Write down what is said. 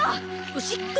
おしっこ。